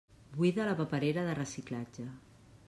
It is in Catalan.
Buida la paperera de reciclatge.